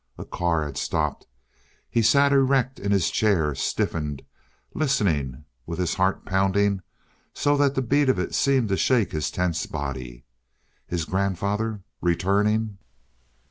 A car had stopped. He sat erect in his chair, stiffened, listening, with his heart pounding so that the beat of it seemed to shake his tense body. His grandfather returning?